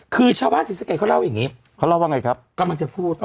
คือชาวบ้านศรีสะเกดเขาเล่าอย่างนี้เขาเล่าว่าไงครับกำลังจะพูด